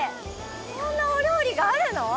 こんなお料理があるの？